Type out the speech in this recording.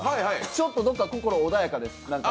ちょっとどこか心穏やかです。